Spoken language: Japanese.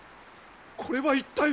これは一体！？